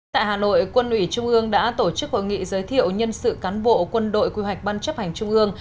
tại hà nội quân ủy trung ương đã tổ chức hội nghị giới thiệu nhân sự cán bộ quân đội quy hoạch ban chấp hành trung ương